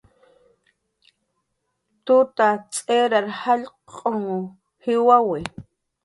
Tuta tz'irar jallq'un jiwawi